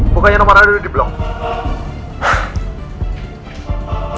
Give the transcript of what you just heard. bukannya nomornya udah di block